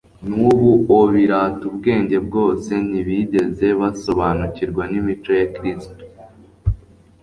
nubu-o birata ubwenge bwose, ntibigeze basobanukirwa n'imico ya Kristo.